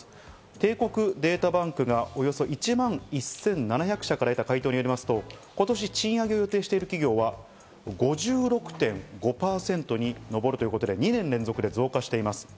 帝国データバンクがおよそ１万１７００社から得た回答によりますと、今年、賃上げを予定している企業は５６．５％にのぼるということで２年連続で増加しています。